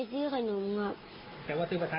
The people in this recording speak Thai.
ตีตรงขาแล้วก็หลังครับ